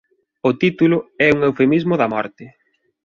O título é un eufemismo da morte.